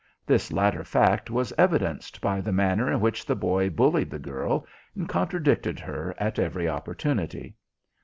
This latter fact was evidenced by the manner in which the boy bullied the girl, and contradicted her at every opportunity.